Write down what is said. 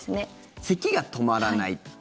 せきが止まらない。